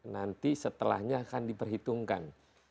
nanti setelahnya akan diperhitungkan